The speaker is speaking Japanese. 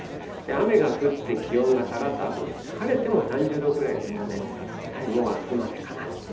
雨が降って気温が下がったあとですね、晴れても３０度くらいですので、やはりもうあすまでかなと。